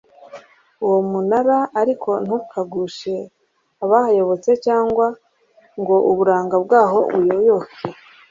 uwo munara ariko ntukagushe abahayobotse cyangwa ngo uburanga bwaho buyoyoke